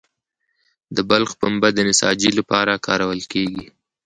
د بلخ پنبه د نساجي لپاره کارول کیږي